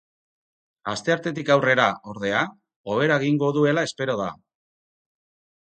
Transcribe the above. Asteartetik aurrera, ordea, hobera egingo duela espero da.